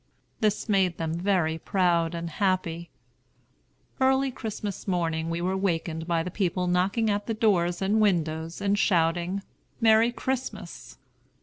This made them very proud and happy. Early Christmas morning we were wakened by the people knocking at the doors and windows, and shouting "Merry Christmas!"